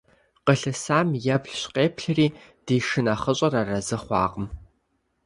Къылъысам еплъщ-къеплъри, ди шынэхъыщӀэр арэзы хъуакъым.